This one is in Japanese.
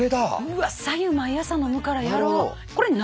うわっさ湯毎朝飲むからやろう。